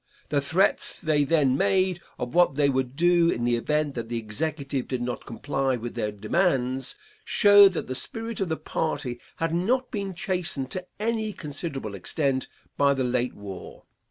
The threats they then made of what they would do in the event that the executive did not comply with their demands, showed that the spirit of the party had not been chastened to any considerable extent by the late war.